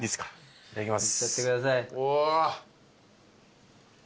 いただきます。